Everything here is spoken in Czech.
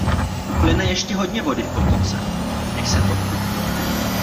Uplyne ještě hodně vody v potoce, než se to okotí.